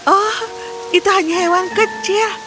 oh itu hanya hewan kecil